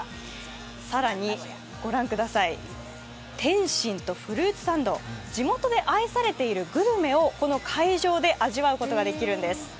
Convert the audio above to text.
更に御覧ください、点心とフルーツサンド、地元で愛されているグルメをこの会場で味わうことができるんです。